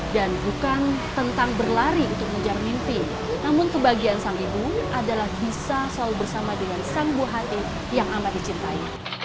dan bukan tentang berlari untuk menjaga mimpi namun kebahagiaan sang ibu adalah bisa selalu bersama dengan sang buah hati yang amat dicintai